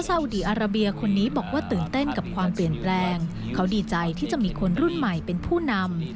อุดีอาราเบียคนนี้บอกว่าตื่นเต้นกับความเปลี่ยนแปลงเขาดีใจที่จะมีคนรุ่นใหม่เป็นผู้นำ